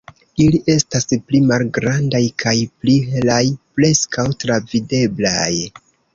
Ili estas pli malgrandaj kaj pli helaj, preskaŭ travideblaj.